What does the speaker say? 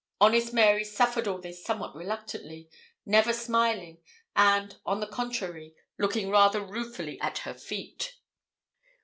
Honest Mary suffered all this somewhat reluctantly, never smiling, and, on the contrary, looking rather ruefully at her feet.